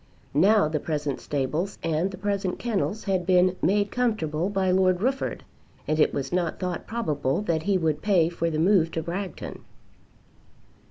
Now the present stables and the present kennels had been "made comfortable" by Lord Rufford, and it was not thought probable that he would pay for the move to Bragton.